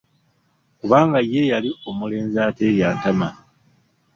Kubanga ye yali omulenzi ateerya ntama.